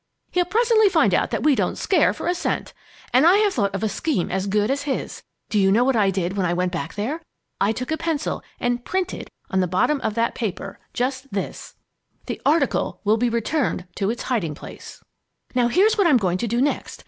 He'll presently find out that we don't scare for a cent! And I have thought of a scheme as good as his! Do you know what I did when I went back there? I took a pencil and printed on the bottom of that paper just this: "'The article will be returned to its hiding place.' "Now here's what I'm going to do next.